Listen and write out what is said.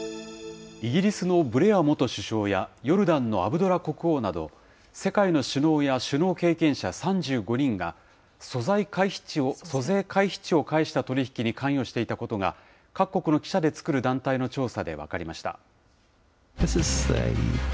イギリスのブレア元首相やヨルダンのアブドラ国王など、世界の首脳や首脳経験者３５人が、租税回避地を介した取り引きに関与していたことが各国の記者で作る団体の調査で分かりました。